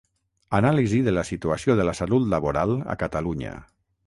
Anàlisi de la situació de la salut laboral a Catalunya.